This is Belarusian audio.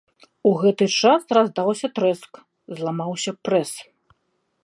У гэты час раздаўся трэск, зламаўся прэс.